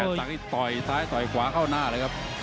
สักนี่ต่อยซ้ายต่อยขวาเข้าหน้าเลยครับ